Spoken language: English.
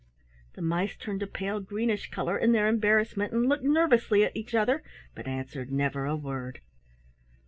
The mice turned a pale greenish color in their embarrassment and looked nervously at each other, but answered never a word.